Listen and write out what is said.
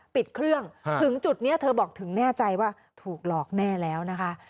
ปิดเครื่องถึงจุดนี้เธอบอกถึงแน่ใจว่าถูกหลอกแน่แล้วนะคะ